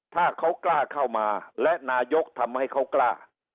ถ้าเขากล้าเข้ามาและนายกทำให้เขากล้า